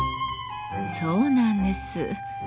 そうなんです。